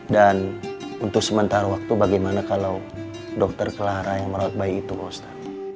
dan untuk sementara waktu bagaimana kalau dokter clara yang merawat bayi itu pak ustadz